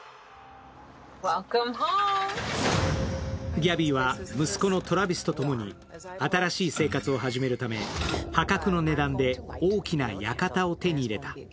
ギャビーは息子のトラヴィスとともに新しい生活をするために破格の値段で大きな館を手に入れた。